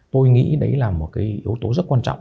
tôi nghĩ đấy là một cái yếu tố rất quan trọng